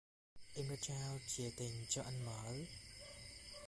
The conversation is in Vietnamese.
Em đã trao chìa tình cho anh mở